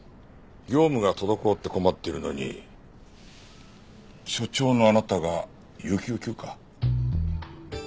業務が滞って困ってるのに所長のあなたが有給休暇？